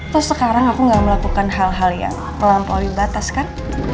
terus sekarang aku gak melakukan hal hal yang melampaui batas kan